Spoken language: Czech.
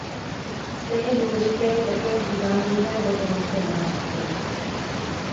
Stejně důležité je také uvážlivé vodohospodářství.